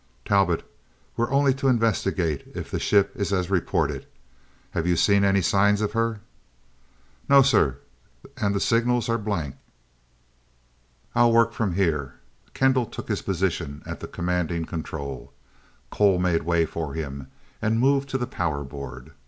"Talbot we are only to investigate if the ship is as reported. Have you seen any signs of her?" "No sir, and the signals are blank." "I'll work from here." Kendall took his position at the commanding control. Cole made way for him, and moved to the power board.